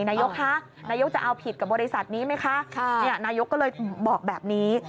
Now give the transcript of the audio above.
นายกคะนายกจะเอาผิดกับบริษัทนี้ไหมคะนายกก็เลยบอกแบบนี้